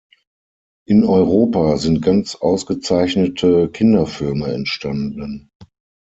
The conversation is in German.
In Europa sind ganz ausgezeichnete Kinderfilme entstanden.